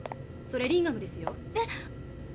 それリンガムですよ。え？